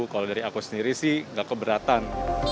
kalau dari aku sendiri sih nggak keberatan